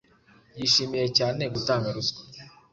Yishimiye cyane gutanga ruswa.